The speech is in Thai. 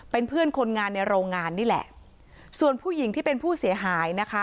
เป็นเพื่อนคนงานในโรงงานนี่แหละส่วนผู้หญิงที่เป็นผู้เสียหายนะคะ